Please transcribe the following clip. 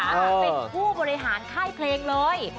เป็นผู้บริหารค่ายเพลงเลย